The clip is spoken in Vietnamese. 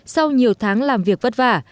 sau nhiều tháng làm việc vất vả